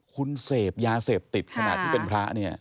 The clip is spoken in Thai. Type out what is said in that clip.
คุณเสพยาเสพติดขณะที่เป็นพระเนี่ย